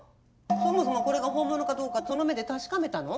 そもそもこれが本物かどうかその目で確かめたの？